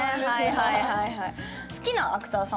はいはいはいはい。